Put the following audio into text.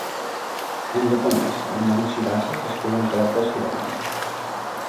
En japonès, el nom "Shirase" s'escriu en caràcters "hiragana".